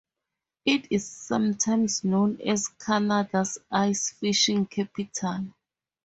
It is sometimes known as Canada's ice fishing capital.